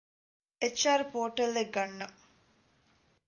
އެޗް.އާރު ޕޯޓަލްއެއް ގަންނަން